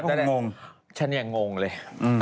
มดดำต้องงงกว่าฉันอยากงงเลย